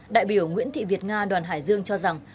đại biểu nguyễn thị việt nga đoàn hải dương cho rằng